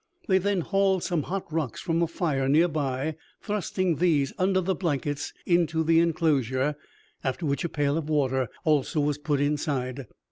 They then hauled some hot rocks from a fire near by, thrusting these under the blankets into the enclosure, after which a pail of water also was put inside.